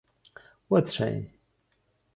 .وڅښئ